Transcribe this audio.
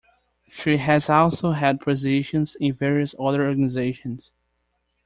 She has also held positions in various other organisations.